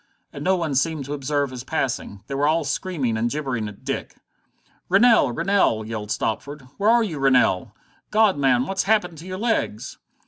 And no one seemed to observe his passing. They were all screaming and gibbering at Dick. "Rennell! Rennell!" yelled Stopford. "Where are you, Rennell? God, man, what's happened to your legs?"